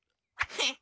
フッ！